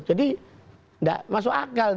jadi gak masuk akal